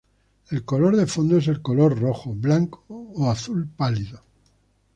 El color de fondo es el color rojo, blanco o azul pálido.